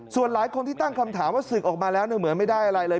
ส่วนหลายคนที่ตั้งคำถามว่าศึกออกมาแล้วเหมือนไม่ได้อะไรเลย